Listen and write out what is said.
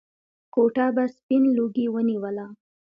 کوټه به سپين لوګي ونيوله.